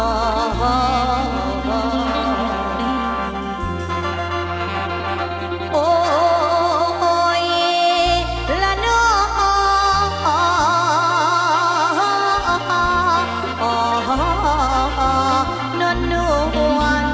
โอ้โหโอเยเหล่านั่วโอ้โหโอ้โหโน้นวัน